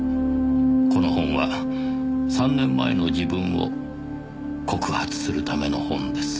「この本は３年前の自分を告発するための本です」